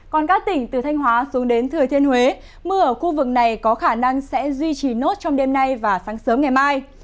còn các tỉnh từ thanh hóa xuống đến thừa thiên huế mưa ở khu vực này có khả năng sẽ duy trì nốt trong đêm nay và sáng sớm ngày mai